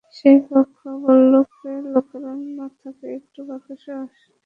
সেই কক্ষ আবার লোকে লোকারণ্য থাকে, একটু বাতাসও সেখানে ঢোকে না।